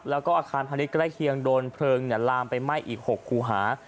แล้วก็อาคารพาณิชยใกล้เคียงโดนเพลิงลามไปไหม้อีก๖คู่หา